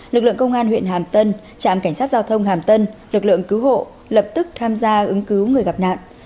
lực lượng công an huyện hàm tân trạm cảnh sát giao thông hàm tân lực lượng cứu hộ lập tức tham gia ứng cứu người gặp nạn